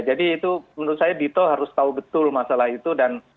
jadi itu menurut saya dito harus tahu betul masalah itu dan